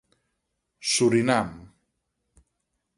Surinam.